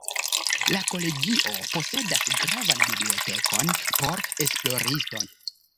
La Kolegio posedas gravan bibliotekon por esploristoj.